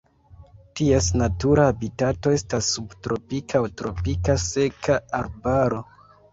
Ties natura habitato estas subtropika aŭ tropika seka arbaro.